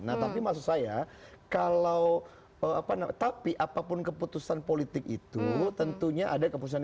nah tapi maksud saya kalau apa namanya tapi apapun keputusan politik itu tentunya ada keputusan